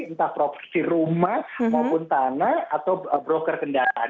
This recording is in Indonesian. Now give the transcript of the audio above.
entah properti rumah maupun tanah atau broker kendaraan